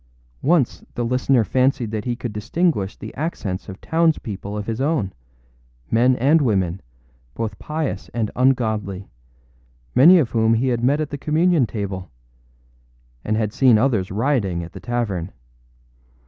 Once the listener fancied that he could distinguish the accents of towns people of his own, men and women, both pious and ungodly, many of whom he had met at the communion table, and had seen others rioting at the tavern.